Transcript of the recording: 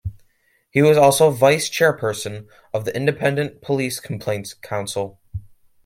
He was also vice-chairperson of the Independent Police Complaints Council.